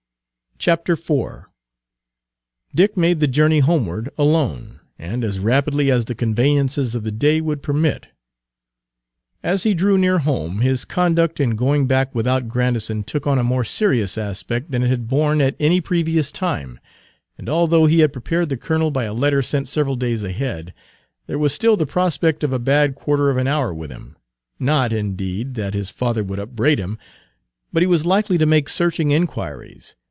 IV Dick made the journey homeward alone, and as rapidly as the conveyances of the day would permit. As he drew near home his conduct in going back without Grandison took on a more serious aspect than it had borne at any previous time, and although he had prepared the colonel by a letter sent several days ahead, there was still the prospect of a bad quarter of an hour with him; not, indeed, that his father would upbraid him, but he was likely to make searching inquiries.